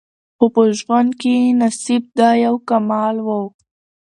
خو په ژوند کي یې نصیب دا یو کمال وو